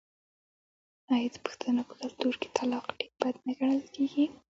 آیا د پښتنو په کلتور کې طلاق ډیر بد نه ګڼل کیږي؟